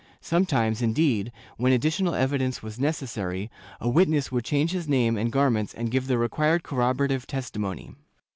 Sometimes, indeed, when additional evidence was necessary, a witness would change his name and garments and give the required corroborative testimony.